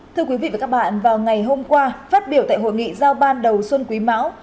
thưa quý vị và các bạn vào ngày hôm qua phát biểu tại hội nghị giao ban đầu xuân quý mão